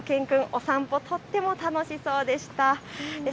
しゅと犬くん、お散歩、とっても楽しそうでした。